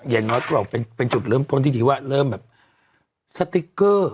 อย่างน้อยก็บอกเป็นจุดเริ่มต้นที่ดีว่าเริ่มแบบสติ๊กเกอร์